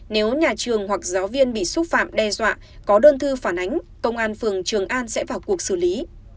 nếu nhà trường hoặc giáo viên bị xúc phạm đe dọa có đơn thư phản ánh công an phường trường an sẽ vào cuộc xử lý